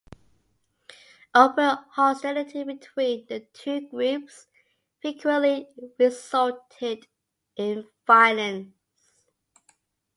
Open hostility between the two groups frequently resulted in violence.